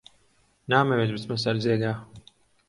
نامەوێت بچمە سەر جێگا.